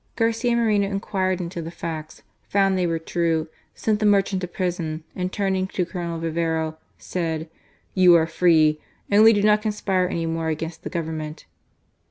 Garcia Moreno inquired into the facts, found they were true, sent the merchant to prison, and turning to Colonel Vivero said: "You are free; only do not conspire any more against the Govern ment."